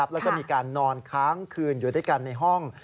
แล้วก็มีการนอนค้างคืนอยู่ด้วยกันในห้อง